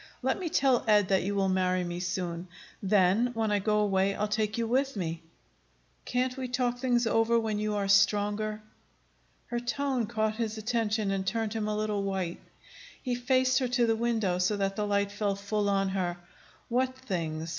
Let me tell Ed that you will marry me soon. Then, when I go away, I'll take you with me." "Can't we talk things over when you are stronger?" Her tone caught his attention, and turned him a little white. He faced her to the window, so that the light fell full on her. "What things?